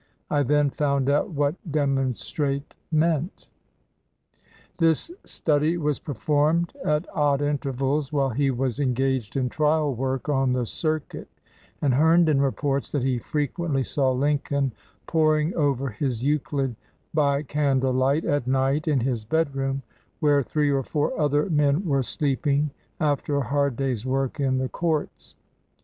I then found out what 'demonstrate' meant." This study was performed at odd intervals while he was engaged in trial work on the circuit, and Herndon reports that he frequently saw Lincoln poring over his Euclid by candle light at night in his bedroom, where three or four other men were sleeping after a hard day's work in the courts.